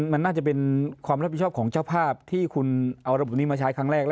มันน่าจะเป็นความรับผิดชอบของเจ้าภาพที่คุณเอาระบบนี้มาใช้ครั้งแรก